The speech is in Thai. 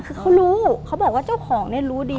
คือเขารู้เขาบอกว่าเจ้าของเนี่ยรู้ดี